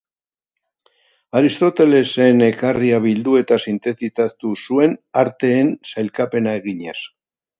Aristotelesen ekarria bildu eta sintetizatu zuen, arteen sailkapena eginez.